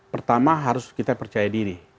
pertama harus kita percaya diri